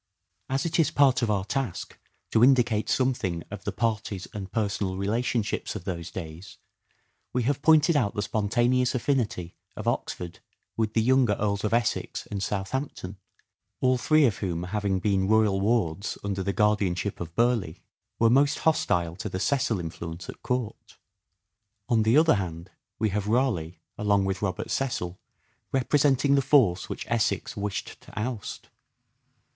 As it is part of our task to indicate something of Contem OOfcLlTV the parties and personal relationships of those days parties and we have pointed out the spontaneous affinity of ^enmsurrec" Oxford with the younger Earls of Essex and Southampton, all three of whom having being royal wards under the guardianship of Burleigh, were most hostile to the Cecil influence at Cqurt. On the other hand, we have Raleigh along with Robert Cecil representing the force which Essex wished to oust.